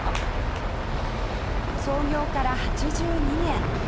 創業から８２年